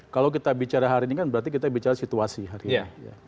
kalau kita bicara hari ini kan berarti kita bicara situasi hari ini